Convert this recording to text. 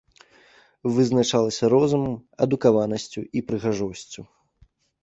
Вызначалася розумам, адукаванасцю і прыгажосцю.